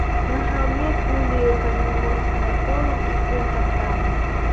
На холме кули, поднимусь на холм и куль поставлю.